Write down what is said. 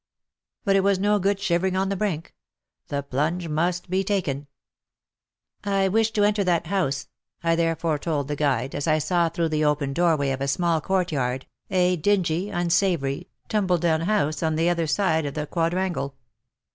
But it was no good shivering on the brink — the plunge must be taken. *' I wish to enter that house," I therefore told the Sfuide, as I saw through the open doorway of a small courtyard, a dingy, unsavoury, tumble down WAR AND WOMEN 105 house on the other side of the quadrangle.